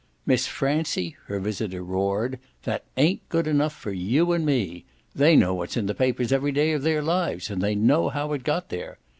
Miss Francie," her visitor roared, "that ain't good enough for you and me. They know what's in the papers every day of their lives and they know how it got there.